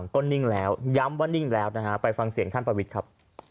ก็นิ่งแล้วย้ำว่านิ่งแล้วนะฮะไปฟังเสียงท่านประวิทย์ครับ